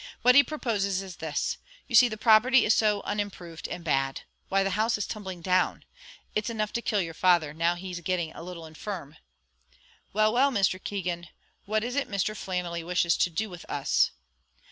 What he proposes is this. You see, the property is so unimproved, and bad why, the house is tumbling down it's enough to kill your father, now he's getting a little infirm." "Well, well, Mr. Keegan; what is it Mr. Flannelly wishes to do with us?"